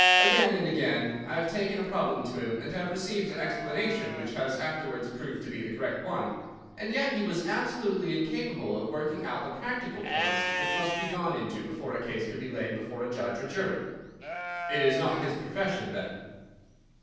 Again and again I have taken a problem to him, and have received an explanation which has afterwards proved to be the correct one. And yet he was absolutely incapable of working out the practical points which must be gone into before a case could be laid before a judge or jury." "It is not his profession, then?"